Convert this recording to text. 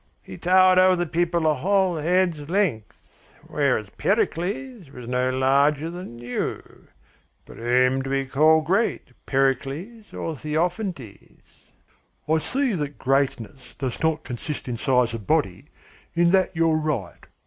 He towered over the people a whole head's length, whereas Pericles was no larger than you. But whom do we call great, Pericles or Theophantes?" "I see that greatness does not consist in size of body. In that you're right.